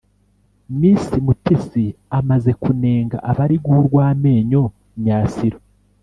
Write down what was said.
Miss Mutesi amaze kunenga abari guha urw’amenyo Myasiro